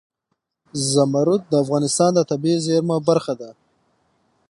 زمرد د افغانستان د طبیعي زیرمو برخه ده.